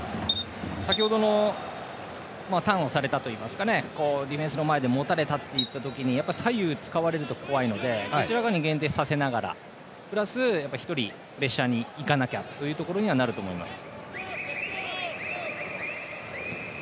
先程のターンをされたというかディフェンスの前でもたれた時に左右を使われると怖いのでどちらかに限定させながらプラス１人プレッシャーにいかなきゃということになると思います。